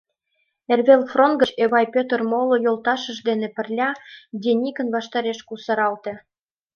Эрвел фронт гыч Эвай Пӧтыр моло йолташышт дене пырля Деникин ваштареш кусаралте.